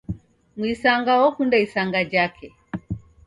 Muisanga okunda isanga jake.